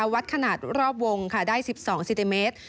วัดขนาดรอบวงค่ะได้๑๒เซนติเมตร